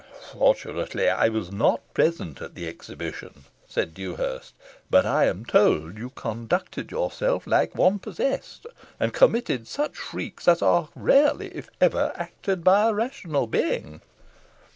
"Fortunately I was not present at the exhibition," said Dewhurst; "but I am told you conducted yourself like one possessed, and committed such freaks as are rarely, if ever, acted by a rational being."